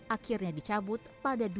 akhirnya dicabut pada dua ribu tiga belas